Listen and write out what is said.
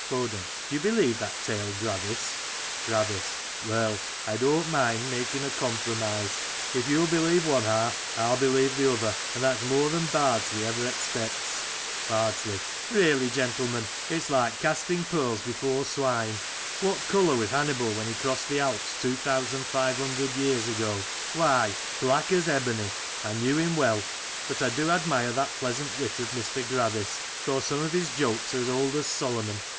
BoDEN : Do you believe that tale. Gravis ? Gravis: Well, I don't mind making a compromise: If youll believe one half. 111 believe the other, and that's more than Bardsley ever expects. Bardsley: Really, gentleman, it's like casting pearls An Ambrosial Noon. 123 before swine. What colour was Hannibal when he crossed the Alps two thousand five hundred years ago? Why, black as ebony ! I knew him well But I do admire that pleasant wit of Mr. Gravis, though some of his jokes are as old as Solomon.